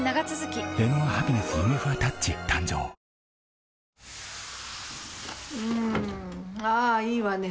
今回はうんああいいわね